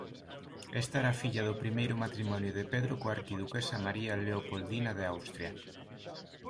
Esta era filla do primeiro matrimonio de Pedro coa arquiduquesa María Leopoldina de Austria.